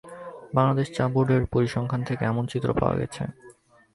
বাংলাদেশ চা বোর্ডের পরিসংখ্যান থেকে এমন চিত্র পাওয়া গেছে।